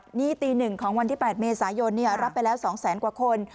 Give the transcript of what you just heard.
นี่ตี๑ของวันที่๘เมษายนรับไปแล้ว๒แสนกว่าคน